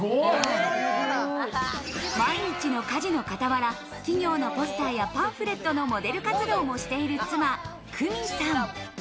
毎日の家事の傍ら、企業のポスターやパンフレットのモデル活動をしている妻・玖美さん。